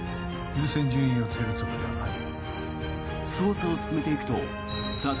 優先順位をつけるつもりはない。